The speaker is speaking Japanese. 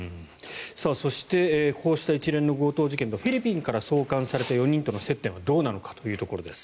そしてこうした一連の強盗事件でフィリピンから送還された４人との接点についてです。